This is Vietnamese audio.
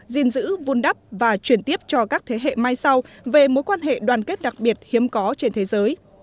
gìn giữ vun đắp và chuyển tiếp cho các thế hệ mai sau về mối quan hệ đoàn kết đặc biệt hiếm có trên thế giới